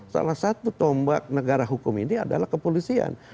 salah satu tombak negara hukum ini adalah kepolisian